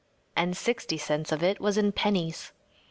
And sixty cents of it was in pennies.